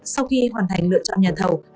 sau khi hoàn thành lựa chọn nhà thầu